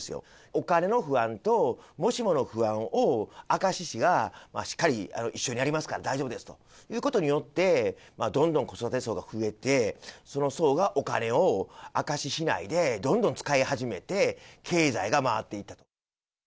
お金の不安と、もしもの不安を明石市がしっかり一緒にやりますから大丈夫ですということによって、どんどん子育て層が増えて、その層がお金を明石市内でどんどん使い始めて、経済が回っていったと。